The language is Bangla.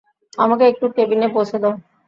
আমাকে একটু কেবিনে পৌঁছে দাও।